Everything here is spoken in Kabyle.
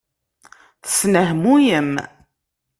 Tesnehmuyem.